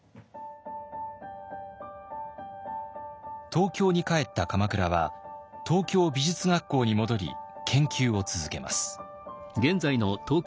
東京に帰った鎌倉は東京美術学校に戻り研究を続けます。